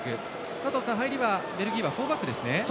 佐藤さん、入りはベルギーはフォーバックですね。